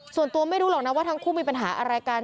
ส่วนตัวไม่รู้หรอกนะว่าทั้งคู่มีปัญหาอะไรกัน